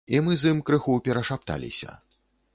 І мы з ім крыху перашапталіся.